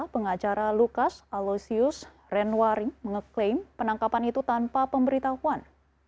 pengacara lukas aloysius renwaring mengeklaim penangkapan itu tanpa pemberitahuan